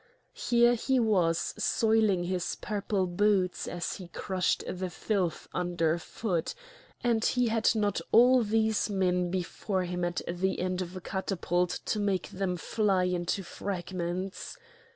Here he was soiling his purple boots as he crushed the filth under foot; and he had not all these men before him at the end of a catapult to make them fly into fragments!